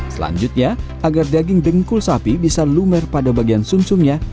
selanjutnya agar daging dengkul sapi bisa lumer pada bagian sum sumnya